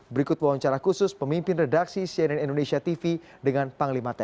berikut wawancara khusus pemimpin redaksi cnn indonesia tv dengan panglima tni